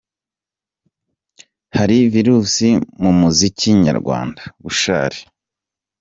Hari virusi mu muziki nyarwanda Bushali